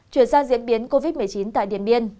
chuyển sang diễn biến covid một mươi chín tại điện biên